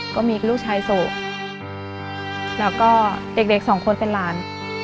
ก็มีอีกลูกชายสู่แล้วก็เด็กเด็กสองคนเป็นหลาน